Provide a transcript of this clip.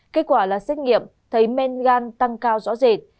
kết quả là xét nghiệm thấy men gan tăng cao rõ rệt